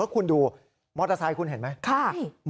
คุณดูมอเตอร์ไซค์คุณเห็นไหม